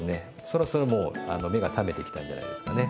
そろそろもう目が覚めてきたんじゃないですかね。